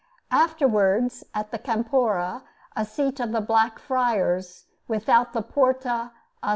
Afterwards, at the Campora, a seat of the Black Friars without the Porta a S.